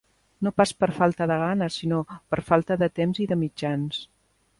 No pas per falta de ganes, sinó per falta de temps i de mitjans.